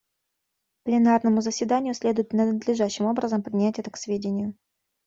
Пленарному заседанию следует надлежащим образом принять это к сведению.